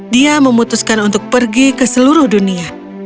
dia memutuskan untuk pergi ke seluruh dunia